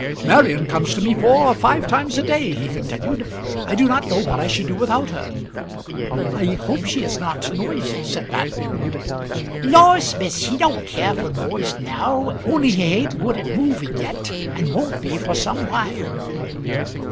"Marian comes to me four or five times a day," he continued; "I do not know what I should do without her." "I hope she is not noisy," said Madeline. "Laws, miss, he don't care for noise now, only he ain't good at moving yet, and won't be for some while."